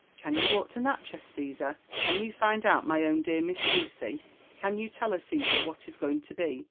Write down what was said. " Can you walk to NaCdiez, Cttsar? Can you find out ny awn dear Miss Lucy? Can you tell her, Caesar, what is going to be?